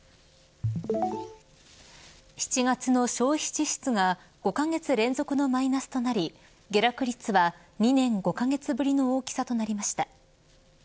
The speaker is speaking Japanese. ７月の消費支出が５カ月連続のマイナスとなり下落率は、２年５カ月ぶりの大きさとなりました。